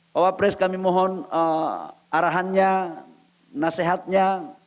pak wapres kami mohon arahannya nasihatnya